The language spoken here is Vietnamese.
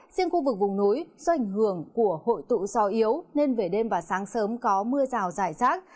riêng khu vực vùng núi do ảnh hưởng của hội tụ gió yếu nên về đêm và sáng sớm có mưa rào dài rác